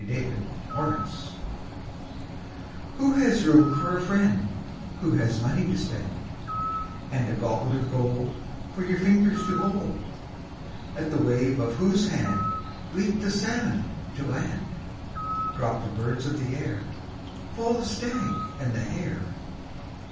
A FRIEND IN NEED Who has room for a friend Who has money to spend, And a goblet of gold For your fingers to hold, At the wave of whose hand Leap the salmon to land, Drop the birds of the air, Fall the stag and the hare.